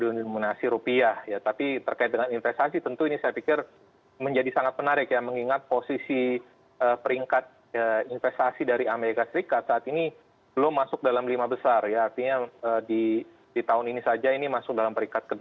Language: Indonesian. jadi obligasi perduniminasi rupiah ya tapi terkait dengan investasi tentu ini saya pikir menjadi sangat menarik ya mengingat posisi peringkat investasi dari amerika serikat saat ini belum masuk dalam lima besar ya artinya di tahun ini saja ini masuk dalam peringkat ke delapan